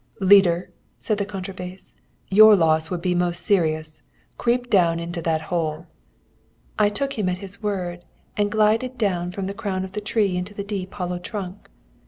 "'Leader,' said the contra bass, 'your loss would be most serious, creep down into that hole.' I took him at his word, and glided down from the crown of the tree into the deep hollow trunk.